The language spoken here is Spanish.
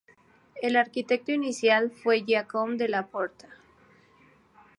El arquitecto inicial fue Giacomo della Porta.